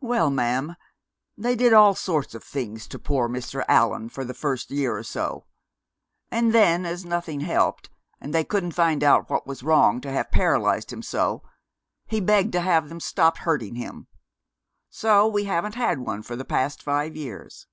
"Well, ma'am, they did all sorts of things to poor Mr. Allan for the first year or so. And then, as nothing helped, and they couldn't find out what was wrong to have paralyzed him so, he begged to have them stopped hurting him. So we haven't had one for the past five years."